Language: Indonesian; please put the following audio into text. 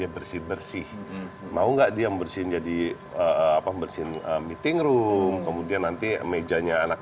bersih bersih mau nggak dia membersihin jadi apa bersihin meeting room kemudian nanti mejanya anak